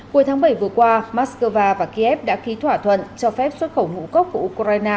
cuối tháng bảy vừa qua moscow và kiev đã ký thỏa thuận cho phép xuất khẩu ngũ cốc của ukraine